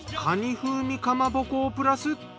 風味かまぼこをプラス。